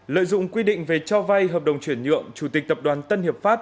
lợi dụng quy định về cho vay hợp đồng chuyển nhượng chủ tịch tập đoàn tân hiệp pháp